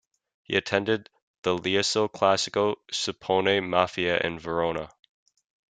He attended the Liceo Classico Scipione Maffei in Verona.